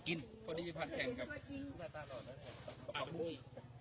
โค้งปุ้ง